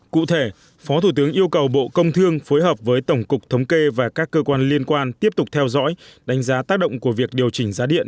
cụ thể phó thủ tướng yêu cầu bộ công thương phối hợp với tổng cục thống kê và các cơ quan liên quan tiếp tục theo dõi đánh giá tác động của việc điều chỉnh giá điện